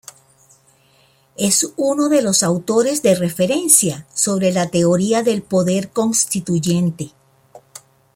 Es uno de los autores de referencia sobre la teoría del poder constituyente.